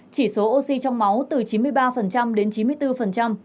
chỉ số oxy trong máu từ chín mươi ba đến chín mươi bốn